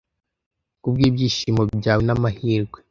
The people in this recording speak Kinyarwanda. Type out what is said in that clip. Kubwibyishimo byawe n'amahirwe.